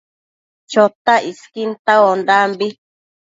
Chotac isquin tauaondambi